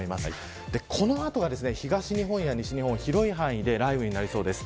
この後、東日本や西日本広い範囲で雷雨になりそうです。